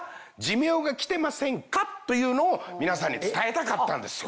寿命が来てませんか？というのを皆さんに伝えたかったんですよ。